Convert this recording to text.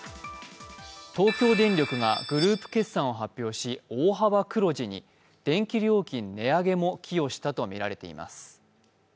東京電力がグループ決算を発表し、大幅黒字に、電気料金値上げも寄与したとみられています。